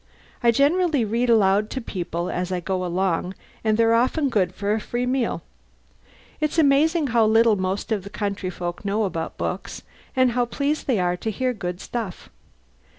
I generally read aloud to people as I go along, and they're often good for a free meal. It's amazing how little most of the country folk know about books, and how pleased they are to hear good stuff.